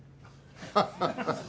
ハハハハ。